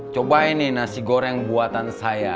cobain nih nasi goreng buatan saya